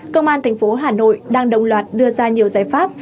công an thành phố hà nội đang đồng loạt đưa ra nhiều giải pháp